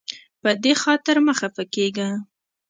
په دې خاطر مه خفه کیږه.